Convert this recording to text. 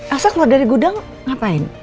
asal keluar dari gudang ngapain